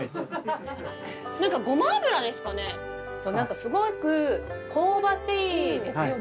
すごく香ばしいですよね